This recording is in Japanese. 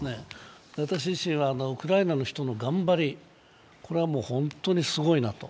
私自身はウクライナの人の頑張り、これは本当にすごいなと。